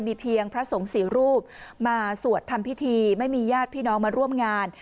มีเพียงพระสงฆ์สี่รูปมาสวดทำพิธีไม่มีญาติพี่น้องมาร่วมงาน